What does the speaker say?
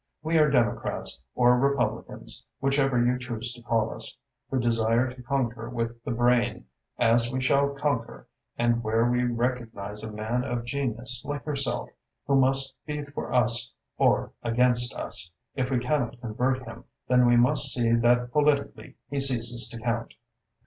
We are Democrats or Republicans, whichever you choose to call us, who desire to conquer with the brain, as we shall conquer, and where we recognise a man of genius like yourself, who must be for us or against us, if we cannot convert him then we must see that politically he ceases to count."